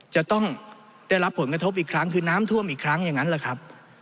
จะต้องได้รับผลกระทบอีกครั้งคือน้ำท่วมอีกครั้งอย่างนั้นแหละครับ